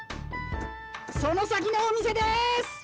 「その先のお店です！」。